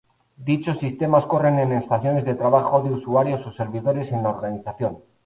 Dichos sistemas corren en estaciones de trabajo de usuarios o servidores en la organización.